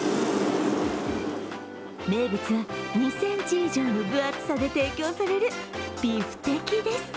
名物は２ｃｍ以上の分厚さで提供されるビフテキです。